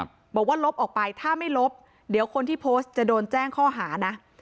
บอกว่าลบออกไปถ้าไม่ลบเดี๋ยวคนที่โพสต์จะโดนแจ้งข้อหานะ